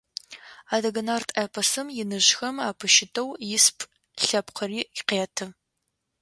Адыгэ Нарт Эпосым иныжъхэм апыщытэу исп лъэпкъыри къеты.